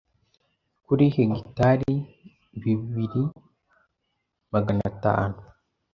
kuri hegitari bibiri Magana atanu